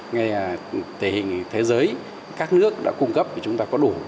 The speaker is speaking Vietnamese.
ngay ở thể hình thế giới các nước đã cung cấp thì chúng ta có đủ